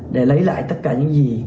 để lấy lại tất cả những gì